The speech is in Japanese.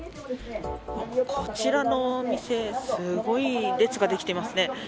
こちらのお店すごい列ができていますね。